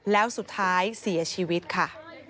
แล้วสุดท้ายเสียชีวิตค่ะ